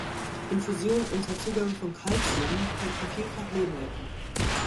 Infusionen unter Zugabe von Calcium konnten vielfach Leben retten.